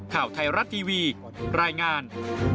ข่าวไทยรัฐทีวีรายงาน